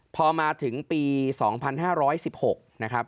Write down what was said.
พอมาถึงปี๒๕๑๖นะครับ